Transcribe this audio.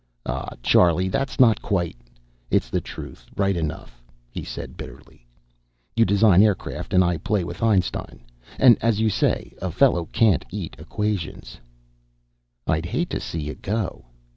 "Oh, Charlie, that's not quite " "It's the truth, right enough," he said, bitterly. "You design aircraft, and I play with Einstein. And as you say, a fellow can't eat equations." "I'd hate to see you go."